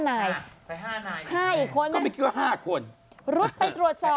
ไป๕นายอีกไงรุดไปตรวจสอบ๕อีกคนก็ไม่เกี่ยวกับ๕คน